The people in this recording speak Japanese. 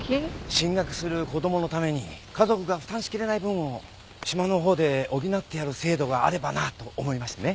進学する子供のために家族が負担しきれない分を島のほうで補ってやる制度があればなあと思いましてね。